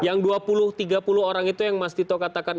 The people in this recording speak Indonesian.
yang dua puluh tiga puluh orang itu yang mas tito katakan